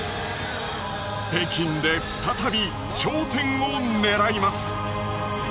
北京で再び頂点をねらいます。